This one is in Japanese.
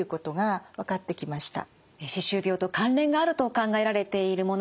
歯周病と関連があると考えられているもの